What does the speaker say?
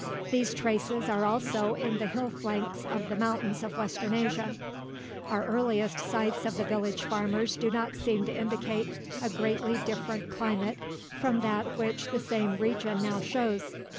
These traces are also in the hill flanks of the mountains of western Asia. Our earliest sites of the village farmers do not seem to indicate a greatly different climate from that which the same region now shows.